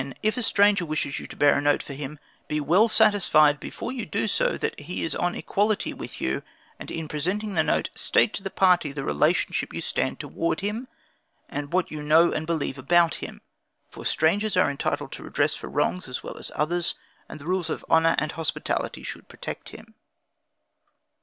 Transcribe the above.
If a stranger wishes you to bear a note for him, be well satisfied before you do so, that he is on an equality with you; and in presenting the note state to the party the relationship you stand towards him, and what you know and believe about him; for strangers are entitled to redress for wrongs, as well as others, and the rules of honor and hospitality should protect him.